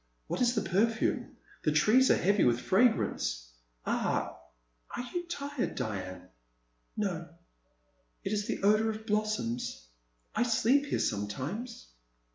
What is the perfume ? The trees are heavy with fragrance. Ah !— are you tired, Diane ?"No — it is the odour of blossoms ; I sleep here sometimes."